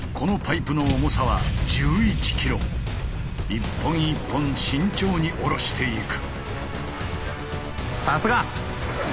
一本一本慎重に下ろしていく。